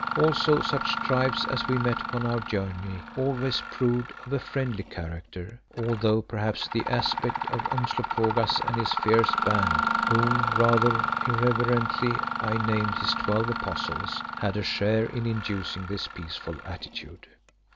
Also such tribes as we met upon our journey always proved of a friendly character, although perhaps the aspect of Umslopogaas and his fierce band whom, rather irreverently, I named his twelve Apostles, had a share in inducing this peaceful attitude.